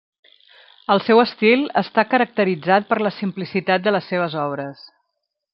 El seu estil està caracteritzat per la simplicitat de les seves obres.